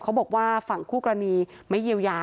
เขาบอกว่าฝั่งคู่กรณีไม่เยียวยา